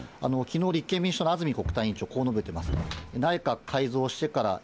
きのう、立憲民主党の安住国対委員長、こう述べてます。